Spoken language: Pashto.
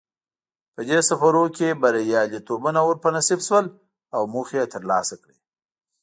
په دې سفرونو کې بریالیتوبونه ور په نصیب شول او موخې یې ترلاسه کړې.